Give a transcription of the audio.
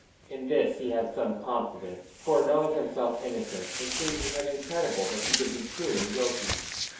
In this he had some confidence, for, knowing himself innocent, it seemed to him incredible that he could be proven guilty.